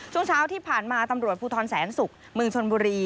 ช่วงเช้าที่ผ่านมาตำรวจภูทรแสนศุกร์เมืองชนบุรี